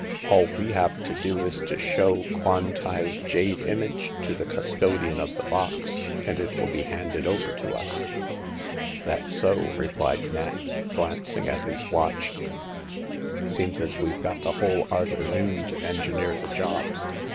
All we have to do is to show Kwan tai's jade image to the custodian of the box, and it will be handed over to us." " That's so," replied Nat, glancing at his watch. Seems as weVe got the whole arternoon to en gineer the job.